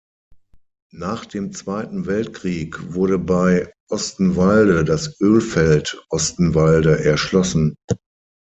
Nach dem Zweiten Weltkrieg wurde bei Ostenwalde das Ölfeld Ostenwalde erschlossen.